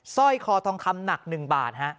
สร้อยคอทองคำหนัก๑บาท